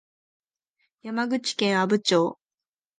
山口県阿武町